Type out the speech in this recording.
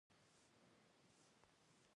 وردګ ښکلی ولایت دی